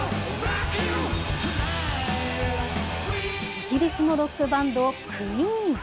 イギリスのロックバンド、クイーン。